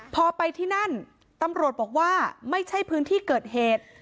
พอไปที่นั่นตำรวจบอกว่าไม่ใช่พื้นที่เกิดเหตุ